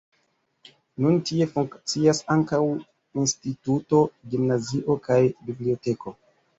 Nun tie funkcias ankaŭ instituto, gimnazio kaj biblioteko.